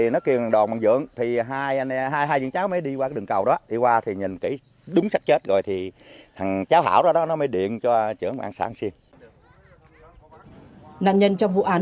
nạn nhân trong vụ án